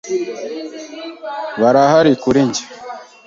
Barahari kuri njye.